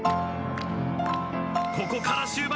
ここから終盤。